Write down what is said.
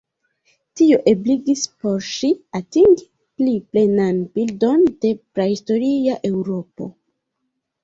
Tio ebligis por ŝi atingi pli plenan bildon de prahistoria Eŭropo.